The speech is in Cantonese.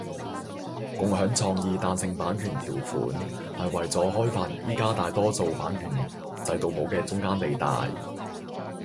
共享創意彈性版權條款係為咗開發而家大多數版權制度冇嘅中間地帶